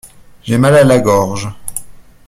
J’ai mal à la gorge.